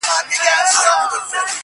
دا نجلۍ لکه شبنم درپسې ژاړي~